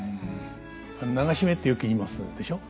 「流し目」ってよく言いますでしょ。